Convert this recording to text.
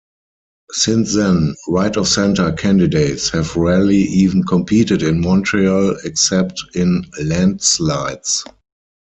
Since then, right-of-centre candidates have rarely even competed in Montreal except in landslides.